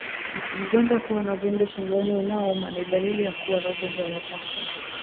Mnyama kuwa na uvimbe shingoni unaouma ni dalili ya kuwa na ugonjwa wa mapafu